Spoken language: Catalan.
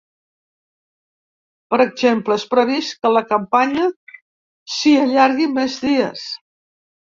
Per exemple, és previst que la campanya s’hi allargui més dies.